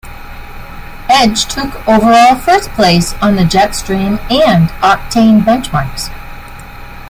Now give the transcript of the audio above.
Edge took overall first place on the Jetstream and Octane benchmarks.